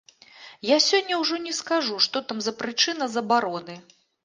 Я сёння ўжо не скажу, што там за прычына забароны.